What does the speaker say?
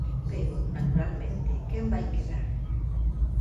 Pero, naturalmente, quen vai quedar?